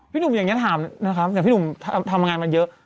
หนุ่มอย่างนี้ถามนะครับแต่พี่หนุ่มทำงานมาเยอะ